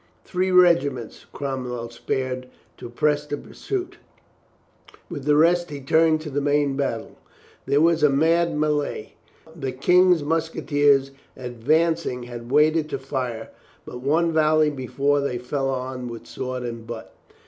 Three regiments Cromwell spared to press the pursuit; with the rest he turned to the main battle. There was a mad melee. The King's musketeers advancing had waited to fire but one volley before they fell on with sword and butt.